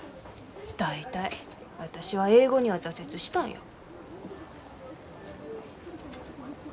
大体私は英語には挫折したんや。